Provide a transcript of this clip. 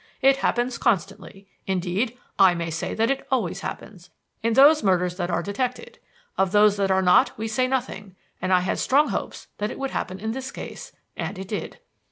It happens constantly; indeed, I may say that it always happens in those murders that are detected; of those that are not we say nothing and I had strong hopes that it would happen in this case. And it did.